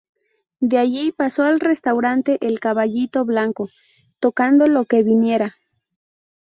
De allí pasó al restaurante El Caballito Blanco, tocando lo que viniera.